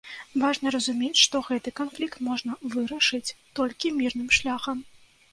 Важна разумець, што гэты канфлікт можна вырашыць толькі мірным шляхам.